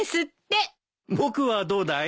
僕はどうだい？